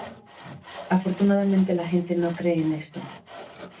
Afortunadamente, la gente no cree en esto.